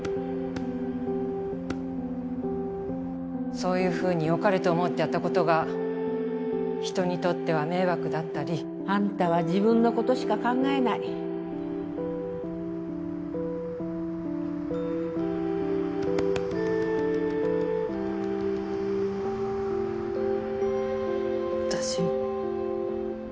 そういうふうによかれと思ってやったことが人にとっては迷惑だったりあんたは自分のことしか考えない私